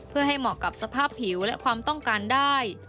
เพื่อให้เหมาะกับสภาพผิวและความต้องการได้